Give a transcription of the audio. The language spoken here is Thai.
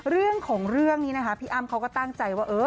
เรื่องของเรื่องนี้นะคะพี่อ้ำเขาก็ตั้งใจว่า